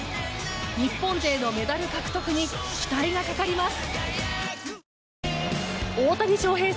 日本勢のメダル獲得に期待がかかります。